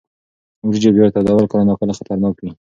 وریجې بیا تودول کله ناکله خطرناک وي.